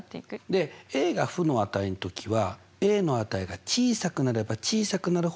でが負の値の時はの値が小さくなれ細くなる。